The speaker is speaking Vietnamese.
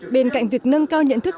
bên cạnh việc nâng cao nhận thức